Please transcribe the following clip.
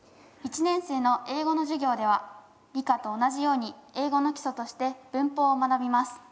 １年生の英語の授業では理科と同じように英語の基礎として文法を学びます。